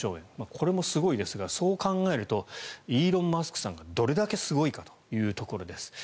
これもすごいですがそう考えるとイーロン・マスクさんがどれだけすごいかというところです。